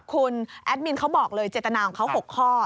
คุณแอดมินเขาบอกเลยเจตนาของเขา๖ข้อ